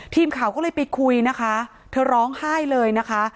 ทีมข่าวก็เลยไปคุยนะคะเธอร้องไห้เลยนะคะ